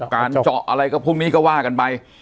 การเจาะอะไรก็พรุ่งนี้ก็ว่ากันไป